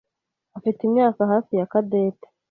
afite imyaka hafi ya Cadette.